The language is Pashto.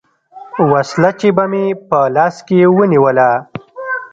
وسله چې به مې په لاس کښې ونېوله.